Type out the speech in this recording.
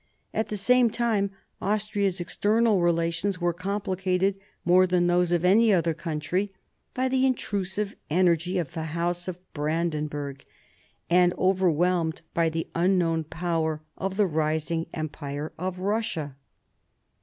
At the same time, Austria's ex ternal relations were complicated more than those of any other country by the intrusive energy of the House of Brandenburg, and overwhelmed by the unknown power of the rising empire of Kussia.